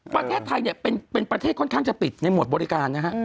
ประเทศไทยเนี่ยเป็นประเทศค่อนข้างจะปิดในหมวดบริการนะฮะ